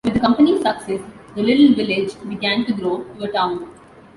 With the company's success the little village began to grow to a town.